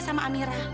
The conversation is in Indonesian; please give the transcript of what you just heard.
kamu ngerti tak